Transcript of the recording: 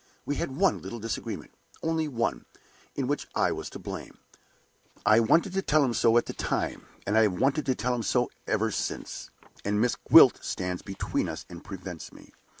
We had one little disagreement, only one, in which I was to blame. I wanted to tell him so at the time, and I have wanted to tell him so ever since; and Miss Gwilt stands between us and prevents me.